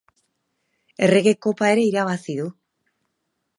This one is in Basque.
Errege Kopa ere irabazi du.